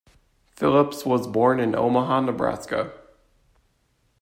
Phillips was born in Omaha, Nebraska.